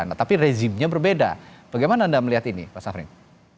nah tapi rezimnya berbeda bagaimana anda melihat ini pak safrin